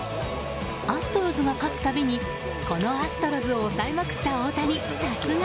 アストロズが勝つたびにこのアストロズを抑えまくった大谷さすが！